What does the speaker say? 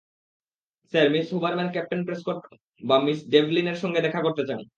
Sir, miss Huberman captain Prescott বা Mr ডেভলিনের সঙ্গে দেখা করতে চান।